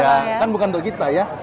ya kan bukan untuk kita ya